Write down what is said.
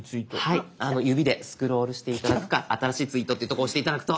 はい指でスクロールして頂くか「新しいツイート」っていうとこ押して頂くと。